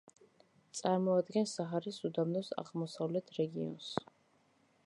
წარმოადგენს საჰარის უდაბნოს აღმოსავლეთ რეგიონს.